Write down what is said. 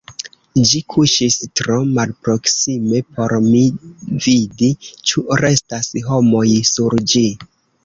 Ĝi kuŝis tro malproksime por mi vidi, ĉu restas homoj sur ĝi.